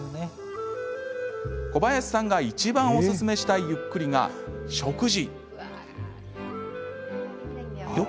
小林さんがいちばんおすすめしたいゆっくりが、食事。